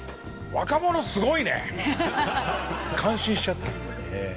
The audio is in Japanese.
若者すごいね！感心しちゃった。